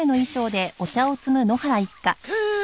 ふう。